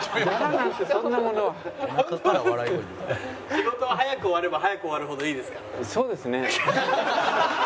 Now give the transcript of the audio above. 仕事は早く終われば早く終わるほどいいですから。